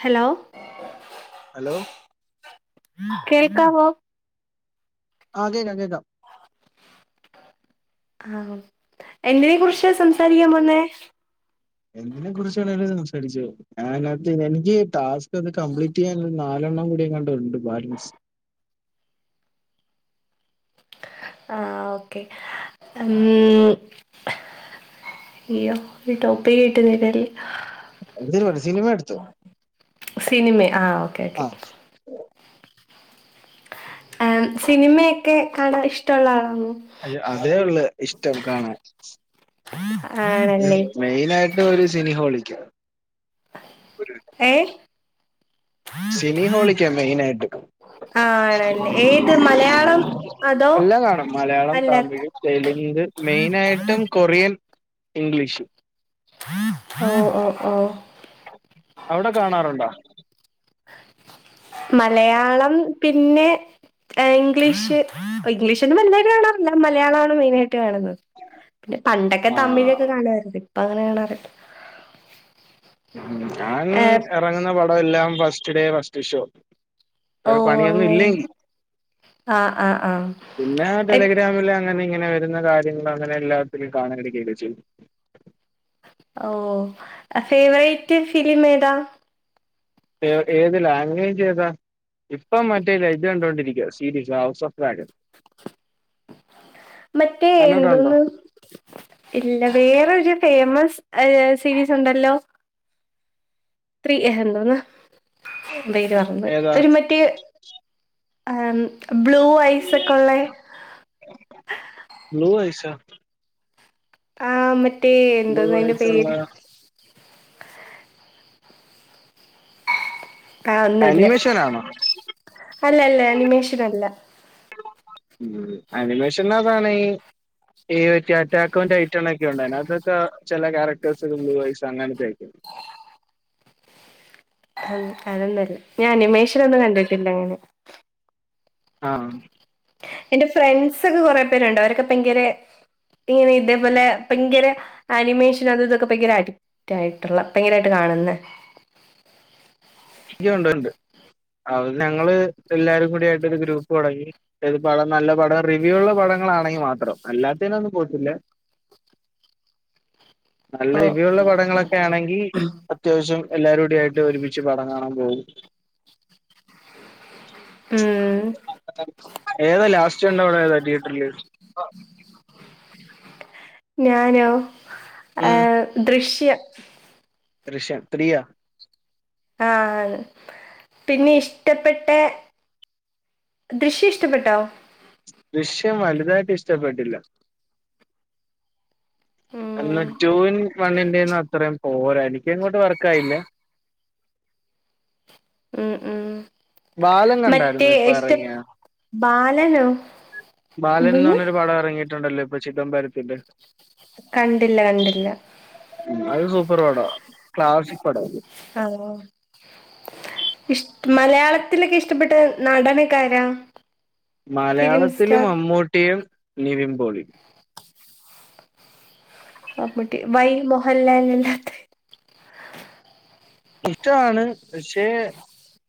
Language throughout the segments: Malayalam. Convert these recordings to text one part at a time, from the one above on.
ഹലോ ഹലോ കേൾക്കാവോ? ആഹ് കേക്കാം കേക്കാം ആഹ് എന്തിനെ കുറിച്ചാ സംസാരിക്കാൻ പോകുന്നേ? എന്തിനെ കുറിച്ച് വേണേലും സംസാരിച്ചോ ആഹ് നതിങ്. എനിക്ക് ടാസ്ക് ഒന്ന് കംപ്ലീറ്റ് ചെയ്യാൻ ഇനി നാലെണ്ണം കൂടി എങ്ങാണ്ടുണ്ട് ബാലൻസ്. ആഹ ഓക്കെ ഉ അയ്യോ ഒരു ടോപ്പിര് എന്തിനു പറഞ്ഞു സിനിമ എടുത്തോ കിട്ടുന്നില്ലല്ലോ സിനിമെ ആഹ് ഓക്കെ ഓക്കെ ആ ആഹ് സിനിമയൊക്കെ കാണാ ഇഷ്ടമുള്ള ആളാണോ അയ്യൊ അതേ ഉള്ളു ഇഷ്ടം കാണാൻ. ആണല്ലേ മെയിനാ [unintelligible] സിനിഹോളിക്ക്യാ ഏഹ് സിനി ഹോളിക്കാ മെയിനായിട്ട് ആണല്ലേ ഏത് മലയാളം അതോ [inaudible] എല്ലാം കാണും മലയാളം അല്ല തമിഴ് തെലുങ്ക്, മെയിനായിട്ടും കൊറിയൻ ഇംഗ്ലീഷ്. ഹ്മ്മ് ഹ്മ്മ് ഹ്മ്മ് അവ്ടെ കാണാറുണ്ടോ? മലയാളം പിന്നെ ഇംഗ്ലീഷ്. ഇംഗ്ലീഷൊന്നും വലുതായിട്ട് കാണാറില്ല മലയാളാണ് മെയിനായിട്ട് കാണുന്നത്. പണ്ടൊക്കെ ആ തമിഴൊക്കെ കാണുവായിരുന്നു. ഇപ്പങ്ങനെ കാണാറില്ല ഞാൻ ആപ്പ് എറങ്ങുന്ന പടമെല്ലാം ഫസ്റ്റ് ഡേ ഫസ്റ്റ് ഷോ വേറെ ഓഹ് പണിയൊന്നും അങ്ങനെ ഇല്ലെങ്കിൽ. ആഹ് ആഹ് ആഹ് പിന്നെ എപ് ടെലിഗ്രാമിലങ്ങനെ ഇങ്ങനെ ക്കുന്ന കാര്യങ്ങള് അങ്ങനെ എല്ലാത്തിലും കാണാൻ വേണ്ടി കയറ്റി വെച്ച് ഓഹ് ഫേവറേറ്റ് ഫിലിമേതാ ഏ ഏത് ലാംഗ്വേജ് ഏതാ ഇപ്പം മറ്റേ ലെ ഇത് കണ്ടോണ്ടിരിക്കുവാ സീരിസ് ഹൗസ് ഓഫ് ഡ്രാഗൺ മറ്റേ കണ്ടിട്ടുണ്ടോ എന്തോന്ന് ഇല്ല വേറൊരു ഫേമസ് ഏഹ് സീരീയസുണ്ടല്ലോ ത്രീ ഏഹ് എന്തോന്ന് പേര് മറന്നോയി ഏതാ ഒര് മറ്റേ ആം ബ്ലൂ ഐസൊക്കൊള്ളേ ബ്ലു ഐസൊ ആഹ് മറ്റേ ബ്ലൂ എന്തോന്നയ്ൻ്റെ ഐസ് ഉള്ള പേര് ആഹ് ഒന്നുല്ല. അനിമേഷൻ ആണോ അല്ലല്ല ആനിമേഷനല്ല ഹ്മ്മ് ആനിമേഷനാതാണേ ഈ റ്റാറ്റാക്കോന്റെ ഐറ്റം ഇതൊക്കെ ഉണ്ട് അതിനകത്തൊക്കെ ചെല ക്യാരക്ടേഴ്സ് ബ്ലൂ ഐസാ അങ്ങനത്തെയൊക്കെ ആഹ് അതൊന്നല്ല, ഞാൻ ആനിമേഷനൊന്നും കണ്ടിട്ടില്ല അങ്ങനെ ആഹ് എന്റെ ഫ്രണ്ട്‌സൊക്കെ കൊറേ പേരുണ്ട് അവരൊക്കെ ഭയങ്കരെ ഇങ്ങനെ ഇതേ പോലെ ഭയങ്കര ആനിമേഷനും അതും ഇതൊക്കെ ഭയങ്കരടി റ്റായിട്ടുള്ള ഭയങ്കരായിട്ട് കാണുന്നെ [unintelligible] കൊണ്ടര്ണ്ട് അത് ഞങ്ങള് എല്ലാരും കൂടിയായിട്ടൊരു ഗ്രൂപ്പ് തൊടങ്ങി ഏത് പടം നല്ല പടം റിവ്യൂള്ള പടങ്ങളാണെങ്കി മാത്രം അല്ലാത്തേനൊന്നും പോയിട്ടില്ല. [inaudible] നല്ല ഓ റിവ്യൂള്ള പടങ്ങളൊക്കെ ആണെങ്കി അത്യാവിശ്യം എല്ലാരൂടിയായിട്ട് ഒരുമിച്ച് പടം കാണാൻ പോവും. ഹ്മ്മ് [inaudible] ഏതാ ലാസ്റ്റ് കണ്ട പടേതാ തിയേറ്ററില്? [inaudible] ഞാനോ, ഉം ഏഹ് ദൃശ്യം. ദൃശ്യം ത്രീയാ ആഹ് അതെ പിന്നെ ഇഷ്ട്ടപ്പെട്ടെ ദൃശ്യഷ്ട്ടപ്പെട്ടോ ദൃശ്യം വലുതായിട്ട് ഇഷ്ട്ടപ്പെട്ടില്ല. ഉം അങ്ങനെ ടൂവിൻ വണ്ണിന്റെയൊന്നും അത്രേം പോര എനിക്കങ്ങോട്ട് വർക്കായില്ല ഹ്മ്മ് ഹ്മ്മ് ബാലൻ കണ്ടായിരുന്നു മറ്റേ ഇപ്പൊ ഇഷ്ട്ട, ഇറങ്ങിയ ബാലനോ? ബാലൻന്ന് എന്തോന്ന് പർഞ്ഞൊരു പടം എറങ്ങീട്ട്ണ്ടല്ലോ, ഇപ്പൊ ചിദംബരത്തിൻ്റെ. കണ്ടില്ല, കണ്ടില്ല. ഉം അത് സൂപ്പറ് പടാ. ക്ലാസിക് പടാ. ആഹ്. ഇഷ്ട മലയാളത്തില ക്കിഷ്ടപ്പെട്ട നടനൊക്കാരാ? മലയാളത്തില് മമ്മൂട്ടിയും, നിവിൻ പോളിയും. മമ്മൂട്ടി. വൈ മോഹൻലാൽ [unintelligible] ഇഷ്ടാണ്. പക്ഷേ,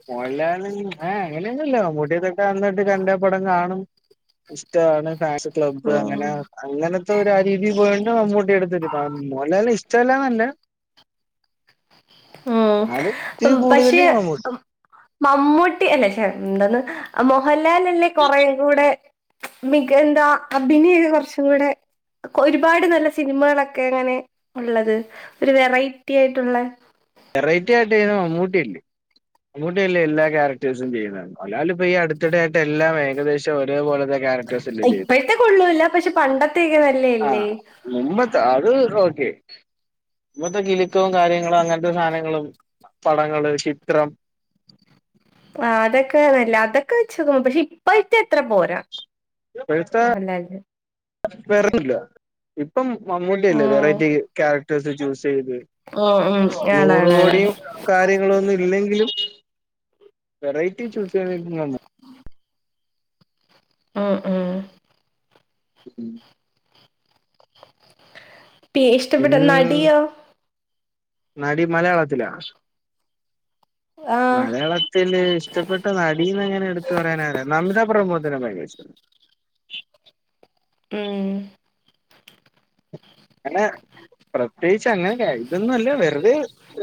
മോഹൻലാല് അഹ് അങ്ങനൊന്നൂല്ല. മമ്മൂട്ടിയൊക്കെപ്പ അന്ന് തൊട്ട് കണ്ട പടം കാണും. ഇഷ്ടാണ് ഫാൻസ് ക്ലബ് അങ്ങനെ ഉം അങ്ങനത്തെ ഒരാ രീതീല് പോയോണ്ട് മമ്മൂട്ടിയെടുത്ത്. അപ്പം മോലാലിനെ ഇഷ്ടവല്ലാ ന്നല്ല. ന്നാലും, ഉം പക്ഷെ അം മമ്മൂട്ടി അല്ലെ, ശെ എന്തോന്ന് അ മോഹൻലാലല്ലേ കൊറേ കൂടെ മിക എന്താ അഭിനയൊക്കെ കൊറച്ച് കൂടെ, ഒരുപാട് നല്ല സിനിമകളൊക്കെ ഇങ്ങനെ ഒള്ളത്. ഒരു വെറൈറ്റി ആയിട്ടുളേള. വെറൈറ്റി ആയിട്ടെയ്യ്ണ് മമ്മൂട്ടിയല്ലേ മമ്മൂട്ടിയല്ലേ എല്ലാ ക്യാരക്ടേഴ്സും ചെയ്യണത്. മോഹൻലാലിപ്പൊ ഈ അടുത്തിടെയായിട്ട് എല്ലാം ഏകദേശം ഒരേപോലെ, ഇപ്പഴത്തെ കൊള്ളൂല്ല. പക്ഷെ പണ്ടതെക്കെ ആ നല്ലേല്ലേ? മുമ്പത്തെ അത് ഓക്കെ. മുമ്പത്തെ കിലിക്കവും കാര്യങ്ങളും അങ്ങനെ, [unintelligible] സാനങ്ങളും പടങ്ങള് ചിത്രം, ആ അതൊക്കെ നല്ല അതൊക്കെ വെച്ചോമ്പോ പക്ഷേ ഇപ്പാ അത്ര പോരാ. മോഹൻലാലിനെ വെറല്ല. ഇപ്പം മമ്മൂട്ടിയല്ലേ ഉം വെറൈറ്റി ക്യാരക്ടേഴ്സ് ചൂസ് ചെയ്ത്, ഉം ഉം നൂറ് ആണാണാണ് കോടീം, കാര്യങ്ങളൊന്നും ഇല്ലെങ്കിലും, വെറൈറ്റി ചൂസ് ചെയ്യ [unintelligible] ക്ക ഉം ഉം. ഉം. പി ഇഷ്ടപ്പെട്ട ഇന്ന് നടിയോ നടി മലയാളത്തില. ആഹ് മലയാളത്തി ല് ഇഷ്ടപ്പെട്ട നടിന്ന് അങ്ങനെ എടുത്തു പറയാൻ, നമിതാ പ്രമോദിനെ ഭയങ്കര ഇഷ്ട്ടമാണ്. ഉം. അങ്ങനെ പ്രത്യേകിച്ച് അങ്ങനെ ഇതൊന്നും അല്ല. വെറുതെ,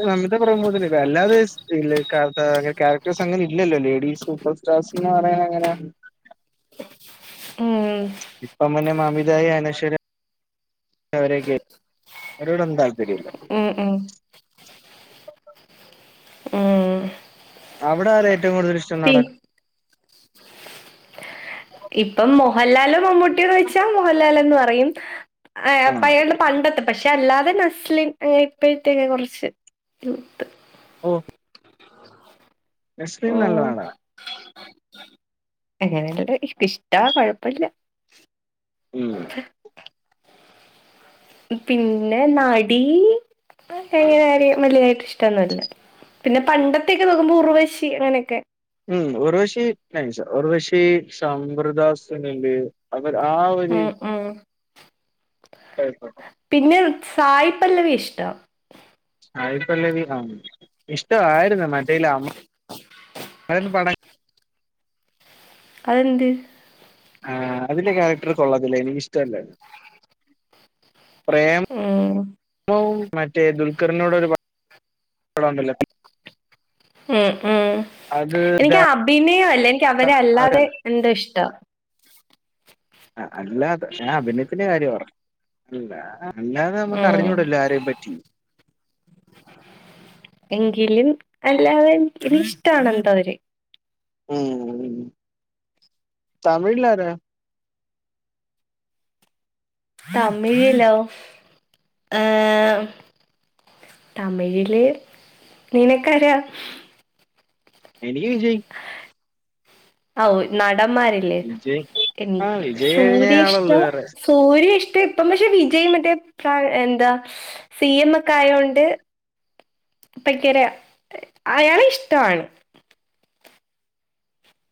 നമ്മിതാ പ്രമോദിനെ അല്ലാതെ [unintelligible] കരക്ടേഴസ് അങ്ങനെ ഇല്ലല്ലോ. ലേഡീസ് സൂപ്പർ സ്റ്റാർസ്ന്ന് പറയൻ അങ്ങനെ. ഉം. ഇപ്പം പിന്നെ നമിതാ, അനേശ്വര അവരെക്കെ. അവരോട് ഒന്നും താല്പര്യില്ല. ഉം ഉം. ഉം അവിടെ ആരാ ഏറ്റവും കൂടുതൽ ഇഷ്ടം പി നടൻ? ഇപ്പം മോഹൻലാലോ മമ്മൂട്ടിയന്ന് ചോയ്ച്ചാ മോഹൻലാലന്ന് പറയും. ഏഹ് ആ പഴയ പണ്ടത്തെ. പക്ഷെ അല്ലാതെ നസ്ലിൻ ഇപ്പോഴത്തേക്കെ കുറച്ച് യൂത്ത് ഓഹ്. നെസ്ലിൻ നല്ല നടനാ. അങ്ങനെയല്ല. ഇഷ്ടാ കൊഴപ്പില്ല. ഉം. പിന്നെ നടി [unintelligible] എങ്ങനെ ആര വലിയതായിട്ട് ഇഷ്ടന്നുമല്ല. പിന്നെ പണ്ടത്തെക്കെ നോക്കുമ്പോ ഉറുവശി അങ്ങനെയൊക്കെ, ഉം ഉർവശി [unintelligible] ഉർവശി, സവ്യതാസുനില് അവര് ആ ഒര്, ഉം ഉം. [unintelligible] പിന്നെ സായിപ്പല്ലവിയെ ഇഷ്ട സായിപ്പലവി ആഹ് ഇഷ്ട്ടായിരുന്നു മറ്റെയ്ല് അ [unintelligible] പട അ തെന്ത് ആഹ് അതിലെ ക്യാരക്ടർ കൊള്ളത്തില്ല എനിക്കിഷ്ടല്ലായിര്ന്നു. ഉം. പ്രേമവും മറ്റേ ദുൽഖറിനോട് ഒരു പടണ്ടല്ലോ ഉം ഉം അത് എനിക്ക് ഇതാ അഭിനയൊല്ല എനിക്ക് അവരെ അത് അല്ലാതെ എന്തോ ഇഷ്ട ആഹ് അല്ലാതെ ഞാൻ അഭിനയത്തിന്റെ കാര്യം പർഞ്ഞെ അല്ല അല്ലാതെ ഉം. നമുക്കർഞ്ഞൂടല്ലോ ആരേം പറ്റി. എങ്കിലും അല്ലാതെ ഒരിഷ്ടാണ് എന്തോ ഒര് ഉം തമിഴില്ലാ രാ? തമിഴില്ലോ ഏഹ് തമിഴില് നിനക്കരാ? എനിക്ക് വിജയ് ഔ നടന്മാരേ ല് വിജയ് ആ എനിക്ക് വിജയ് കഴിഞ്ഞ സൂര്യേ ഷ്ട ആളുള്ളൂ വേറെ സൂര്യേ ഷ്ടോ ട്ട പക്ഷെ വിജയി മറ്റെ ഫ എന്താ സി എം ഒക്കായോണ്ട് പ്പക്കര അയാളെഷ്ടാണ്.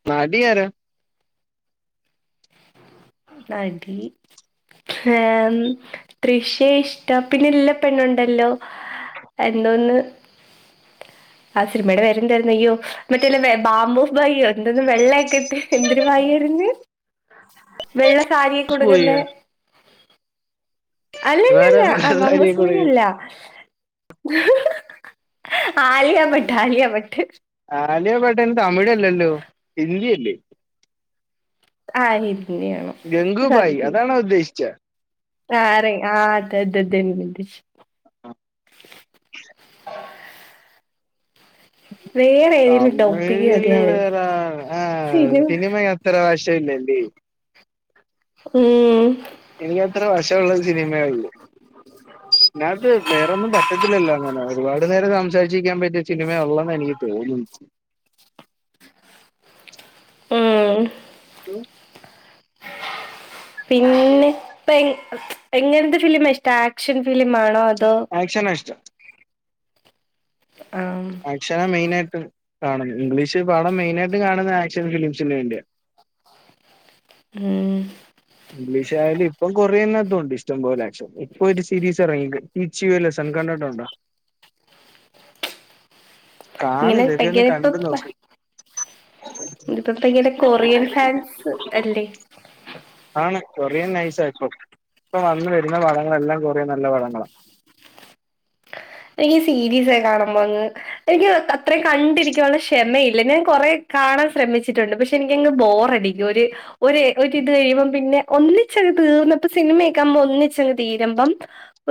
നടിയാരാ? നടി ഹം തൃഷ്യ ഇഷ്ട പിന്നെ എല്ല പെണ്ണുണ്ടല്ലോ എല്ലോല് ആ സിനിമയുടെ പേരെന്തായിരുന്നു അയ്യോ മറ്റേല്ല ബാബൂസ് ഭയ്യോ എന്തോന്ന് വെള്ളയൊക്കെയിട്ട് എന്തൊരു [unintelligible] വെള്ള സാരിയൊക്കെ ഉടുക്കുന്നേ പോയോ വേറെ അല്ലല്ലല്ല ആ വെള്ളസാരി മമ്മൂസ് കൂടെ [unintelligible] അല്ല ആലിയ ഭട്ട് ആലിയ ഭട്ട് ആലിയ ഭട്ടയ്ന് തമിഴല്ലല്ലോ ഹിന്ദിയല്ലേ ആഹ് ഹിഡ്ലിയാണ് ഗംഗുബായി അതാണോ [unintelligible] ഉദ്ദേശിച്ച ആറെ ആഹ് അതേ [unintelligible] ആ വേറെ ഏതേലും ടോപ്പിക്ക് തമിഴില് മതിയായിരുന്നു വേറെ ആ സിനിമ അത്ര വശമില്ലല്ലേ ഉം എനിക്ക് അത്ര വശമുള്ളത് സിനിമയേ ഉള്ളു ഇതിനകത്ത് വേറൊന്നും പറ്റത്തില്ലല്ലോ അങ്ങനെ ഒരുപാട് നേരം സംസാരിച്ചിരിക്കാൻ പറ്റിയ സിനിമയേ ഉള്ളെന്ന് എനിക്ക് തോന്നുന്നത് ഉം ഉം പിന്നെ ഇപ്പ എ എങ്ങൻത്തെ ഫിലിമാ ഇഷ്ടം? ആക്ഷൻ ഫിലിം ആണോ അതോ, ആക്ഷനാ ഇഷ്ടം. ആം ആക്ഷനാ മെയിനായിട്ട് കാണുന്നത് ഇംഗ്ലീഷ് പടം മെയിനായിയിട്ട് കാണുന്നത് ആക്ഷൻ ഫിലിംസിന് വേണ്ടിയാ. ഉം ഇംഗ്ലീഷ് ആയാലും ഇപ്പം കൊറേ എണ്ണട്ടുണ്ട് ഇഷ്ടം പോലെ ആക്ഷൻ ഇപ്പൊ ഒരു സീരീസ് എറങ്ങി [unintelligible] ഈച്ചി വല്ലസൻ കണ്ടിട്ടുണ്ടോ കാണ് ഇങ്ങള് ഇതൊക്കെ ഒന്ന് കണ്ടു നോക്ക് [unintelligible] [unintelligible] കൊറിയർ ഫാൻസ് അല്ലേ ആണ് കൊറിയൻ നൈസാ ഇപ്പൊ വന്ന് വരുന്ന പടങ്ങളെല്ലാം കൊറിയൻ നല്ല പടങ്ങളാ എനിക്ക് സീരീസ് കാണുമ്പോ അങ്ങ് എനിക്ക് അത്രയും കണ്ടിരിക്കാനുള്ള ക്ഷമയില്ല ഞാൻ കൊറെ കാണാൻ ശ്രമിച്ചിട്ടുണ്ട് പക്ഷെ പക്ഷെ എനിക്കങ്ങ് ബോറടിക്കും ഒരു ഒരേ ഒരിത് കഴിയുമ്പം പിന്നെ ഒന്നിച്ചങ്ങ് തീർന്നപ്പോ സിനിമയൊക്കെ ആകുമ്പോ ഒന്നിച്ചങ്ങ് തീരുമ്പം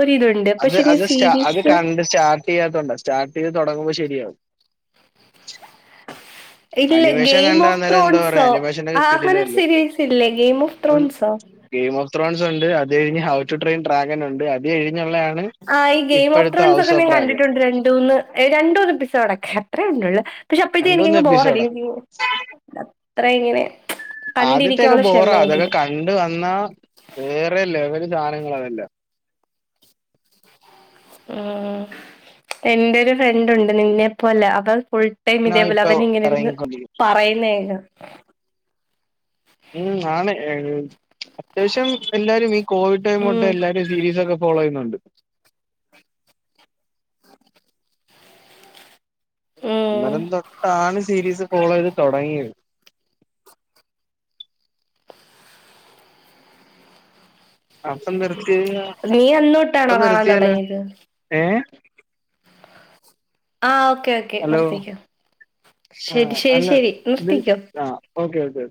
ഒരിതുണ്ട് അത് പക്ഷെ ഞാൻ അത് സ്റ്റാ അത് സീരീസ് കണ്ട് സ്റ്റാർട്ട് ചെയ്യാത്തോണ്ടാ സ്റ്റാർട്ട് ചെയ്ത് തുടങ്ങുമ്പോ ശരിയാവും ഇല്ല അനിമേഷൻ ഗെയിം കണ്ടാ ഓഫ് അന്നേരം എന്താ പറയാ ത്രോൺസോ ആനിമേഷനൊക്കെ ആ കിടിലം അങ്ങനൊരു അല്ലേ സീരീസ് ഇല്ലേ game of ത്രോൺസോ [unintelligible] game of thrones ഉണ്ട് അത് കഴിഞ്ഞ് ഹൗ ടു ട്രെയിൻ ഡ്രാഗൻ ഉണ്ട് അത് കഴിഞ്ഞുള്ളതാണ് ആ ഈ ഗെയിം ഓഫ് ഇപ്പോഴത്തെ ത്രോൺസ് ഹൗസ് ഒക്കെ ഓഫ് ഞാൻ ഡ്രാഗൻ കണ്ടിട്ടുണ്ട് രണ്ടൂന്ന് രണ്ട്‌ മൂന്ന് എപ്പിസോഡൊക്കെ അത്രയേ കണ്ടുള്ളൂ പക്ഷെ അപ്പഴത്തേക്ക് രണ്ടൂന്ന് എനിക്കങ്ങ് എപ്പിസോഡാ ബോറടിക്കും അത്ര ഇങ്ങനെ ആദ്യത്തെയൊക്കെ കണ്ടിരിക്കാനുള്ള ബോറാ അതൊക്കെ ക്ഷമയില്ല കണ്ട്‌ വന്നാ വേറെ ലെവല് സാധനങ്ങളാ അതെല്ലാം ഉം എന്റെ ഒരു ഫ്രണ്ട് ഉണ്ട് നിന്നെപ്പോലാ അവൻ ഫുൾ ടേം ഇതേപോലെ ഇപ്പൊ അവൻ ഇങ്ങനിരുന്ന് ഇറങ്ങിക്കൊണ്ടിരിക്കും പറയുന്ന കേക്കണം ഉം ആണ് ഏ അത്യാവശ്യം എല്ലാരും ഈ കോവിഡ് ടൈം തൊട്ട് ഉം എല്ലാരും സീരീസ് ഒക്കെ ഫോളോ ചെയ്യുന്നുണ്ട് ഉം അന്നേരം തൊട്ടാണ് സീരീസ് ഫോളോ ചെയ്ത് തുടങ്ങിയത് അപ്പം നിർത്തിയ നീ അന്നോട്ടാണോ അപ്പം കാണാൻ നിറുത്തിയാലോ തുടങ്ങിയത് ഏ ആഹ് ഓക്കെ ഓക്കെ ഹലോ നിർത്തിക്കോ ആ ശരി ശരി അല്ല ശരി ഇത് നിർത്തിക്കോ ആ ഓക്കെ ഓക്കെ